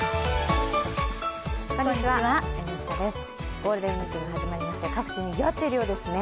ゴールデンウィークが始まりまして、各地、にぎわっているようですね。